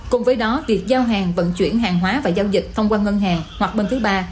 cùng với đó việc giao hàng vận chuyển hàng hóa và giao dịch thông qua ngân hàng hoặc bên thứ ba